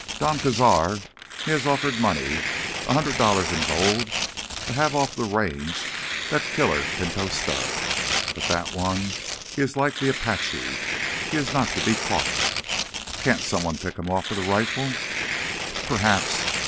"Don Cazar, he has offered money—a hundred dollars in gold—to have off the Range that killer pinto stud. But that one, he is like the Apache; he is not to be caught." "Can't someone pick him off with a rifle?" "Perhaps.